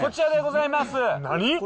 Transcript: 何？